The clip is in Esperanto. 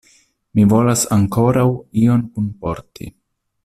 Mi volas ankoraŭ ion kunporti.